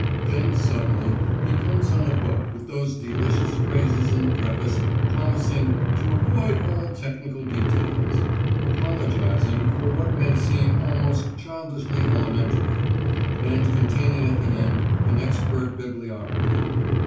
Then suddenly he comes on a book with those delicious phrases in the preface promising "to avoid all technical details," apologising for "what may seem almost childishly elementary," and containing at the end an expert bibliography.